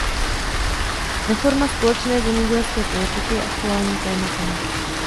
Reforma společné zemědělské politiky je aktuálním tématem.